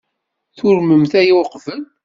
Turmemt aya uqbel?